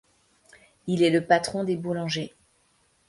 Il est le patron des boulangers.